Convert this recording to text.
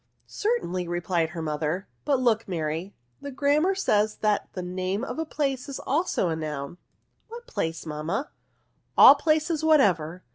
*' Certainly," replied her mother ;" but look, Mary, the Grammar says that the name of a place is also a noun." " What place, mamma?" " All places whatever.